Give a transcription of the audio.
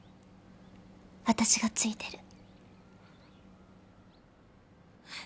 私がついてる。